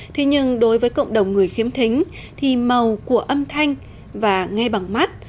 thế nhưng đối với cộng đồng người khiếm thính thì màu của âm thanh và nghe bằng mắt